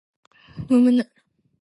むむぬ